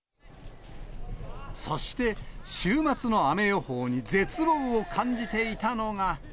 そして、週末の雨予報に絶望を感じていたのが。